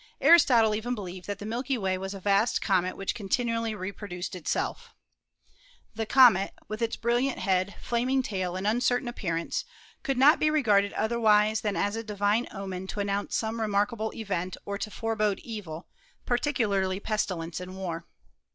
Aristotle even believed that the Milky Way was a vast comet which continually reproduced itself. The comet, with its brilliant head, flaming tail and uncertain appearance, could not be regarded otherwise than as a divine omen to announce some remarkable event or to forebode evil, particularly pestilence and war.